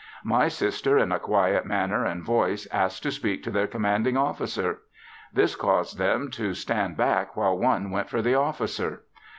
My sister in a quiet manner and voice asked to speak to their commanding officer. This caused them to stand back while one went for the officer.